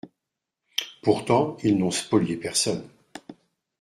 Pourtant, ils n’ont spolié personne.